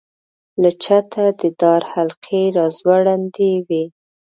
له چته د دار حلقې را ځوړندې وې.